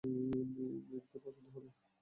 নীরদের পছন্দ হবে!